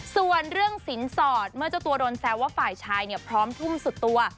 ส่วนเรื่องสินสอดเมื่อเจ้าตัวโดนแซวว่าฝ่ายชายพร้อมทุ่มสุดตัว